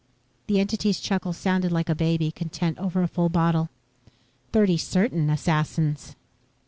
The entity's chuckle sounded like a baby, content over a full bottle. "Thirty certain assassins."